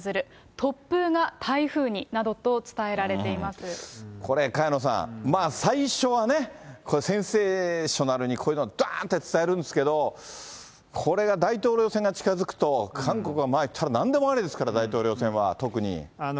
突風が台風になどと伝えられていこれ、萱野さん、最初はね、これ、センセーショナルにこういうのだーっと伝えるんですけれども、これが大統領選が近づくと、韓国はまあ言ったら、なんでもありですから、大統領選は特に。